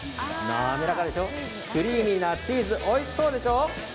クリーミーなチーズおいしそうでしょう？